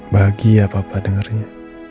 bahagia papa dengarnya